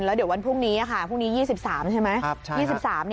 แล้วเดี๋ยววันพรุ่งนี้ค่ะพรุ่งนี้๒๓ใช่ไหม